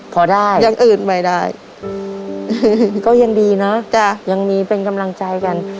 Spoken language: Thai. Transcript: พอได้อย่างอื่นไม่ได้ก็ยังดีนะจ้ะยังมีเป็นกำลังใจกัน